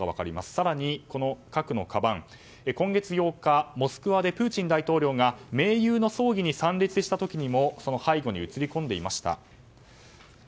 更にこの核のかばん、今月８日モスクワでプーチン大統領が盟友の葬儀に参列した時にもその背後に映り込んでいました。